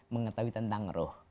mengetahui tentang roh